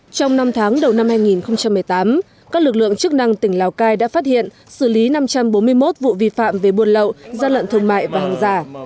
trong năm tháng đầu năm hai nghìn một mươi tám các lực lượng chức năng tỉnh lào cai đã phát hiện xử lý năm trăm bốn mươi một vụ vi phạm về buôn lậu gian lận thương mại và hàng giả